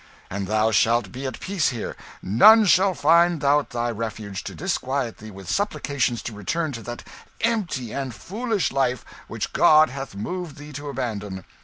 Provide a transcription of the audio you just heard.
"And thou shalt be at peace here. None shall find out thy refuge to disquiet thee with supplications to return to that empty and foolish life which God hath moved thee to abandon.